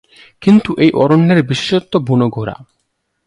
কিন্তু এই অরণ্যের বিশেষত্ব বুনো ঘোড়া।